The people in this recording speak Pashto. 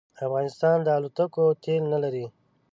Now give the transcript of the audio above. افغانستان د الوتکو تېل نه لري